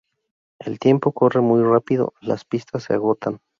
El tiempo corre muy rápido, las pistas se agotan.